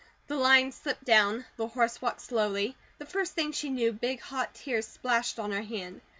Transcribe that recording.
The lines slipped down, the horse walked slowly, the first thing she knew, big hot tears splashed on her hand.